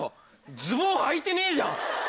ズボンはいてねえじゃん。